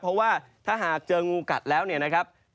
เพราะว่าถ้าหากเจองูกัดแล้วเนี่ยนะครับ